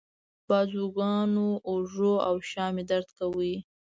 بازوګانو، اوږو او شا مې درد کاوه.